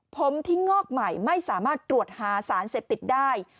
ผมที่งอกใหม่ไม่สามารถตรวจหาสารเสพติดได้